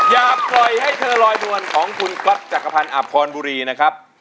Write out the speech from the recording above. อย่าปล่อยให้เธอลอยนวลของคุณก๊อตจักรพันธ์อภพรบุรีนะครับ